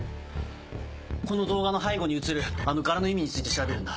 この動画の背後に映るあの柄の意味について調べるんだ。